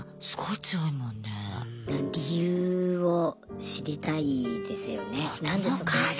だから理由を知りたいですよね。